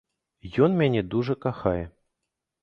Ён мяне дужа кахае.